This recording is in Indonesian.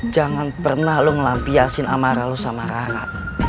jangan pernah lo melampiasin amarah lo sama rara